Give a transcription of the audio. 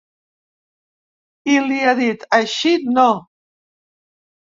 I li ha dit: Així, no.